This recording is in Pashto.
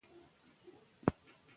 د ملل متحد او یا هم د